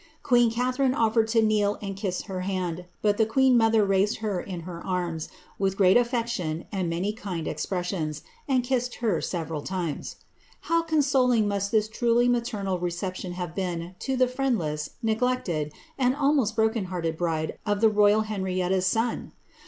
Queen Catharine ofifcred to kneel tnd kiss her hand, but the queen mother raised her in her arms, with irreat afilection and many kind expressions, and kissed her several times. Uiiw consoling must this truly maternal reception have been to the friendless, neglected, and almost broken hearted bride of the royal Hen rietta's son